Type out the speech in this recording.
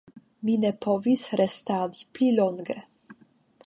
Mi ne povis restadi pli longe.